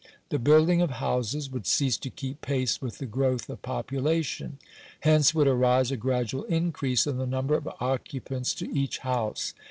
The building of houses would cease to keep pace with the growth of population. Hence would arise a gradual increase in the number of occupants to each house.